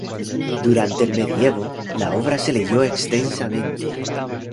Durante el medioevo la obra se leyó extensamente.